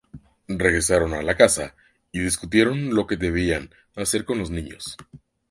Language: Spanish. Regresaron a la casa, y discutieron lo que debían hacer con los niños.